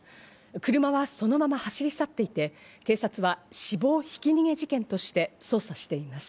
車はそのまま走り去っていて、警察は死亡ひき逃げ事件として捜査しています。